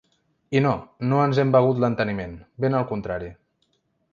I no, no ens hem begut l’enteniment, ben al contrari.